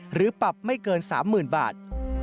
หรือปรับไม่เกิน๓๐๐๐บาท